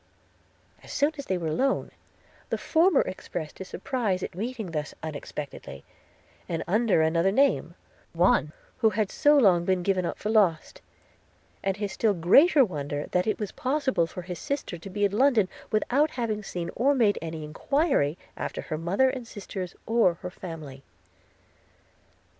As soon as they were alone, the former expressed his surprise at meeting thus unexpectedly, and under another name, one who had so long been given up for lost; and his still greater wonder, that it was possible for his sister to be in London, without having seen or made any enquiry after her mother and sisters, or her family.